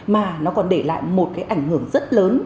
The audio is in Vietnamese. mà nó còn để lại một cái ảnh hưởng rất lớn